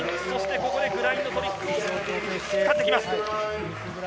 ここでグラインドトリックを使ってきます。